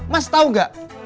mas tau gak